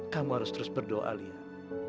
kamu harus terus berdoa lihat